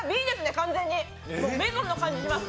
完全にメゾンの感じします。